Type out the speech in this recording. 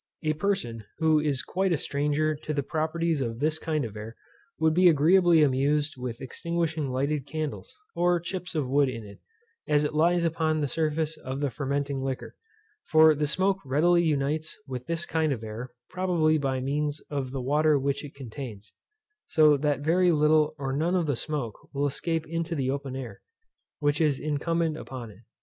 A person, who is quite a stranger to the properties of this kind of air, would be agreeably amused with extinguishing lighted candles, or chips of wood in it, as it lies upon the surface of the fermenting liquor; for the smoke readily unites with this kind of air, probably by means of the water which it contains; so that very little or none of the smoke will escape into the open air, which is incumbent upon it.